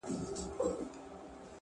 د زړه سکون له سم نیت زېږي,